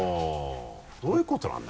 どういうことなんだ？